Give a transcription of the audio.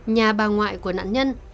nhà bà ngoại của nạn nhân